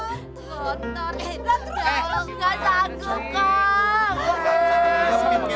ya allah gak sakit kong